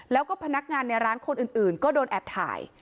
แล้วก็พนักงานในร้านคนอื่นก็โดนแอบถ่าย